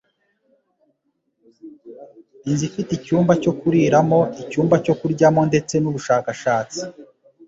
Inzu ifite icyumba cyo kuriramo, icyumba cyo kuryamo ndetse n’ubushakashatsi